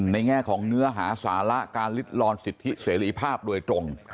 แง่ของเนื้อหาสาระการลิดลอนสิทธิเสรีภาพโดยตรง